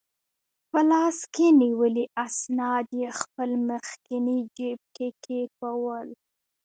په لاس کې نیولي اسناد یې خپل مخکني جیب کې کېښوول.